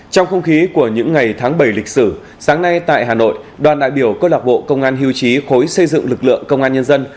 trong không khí của những ngày tháng bảy lịch sử sáng nay tại hà nội đoàn đại biểu cô lạc bộ công an hiêu trí khối xây dựng lực lượng công an nhân dân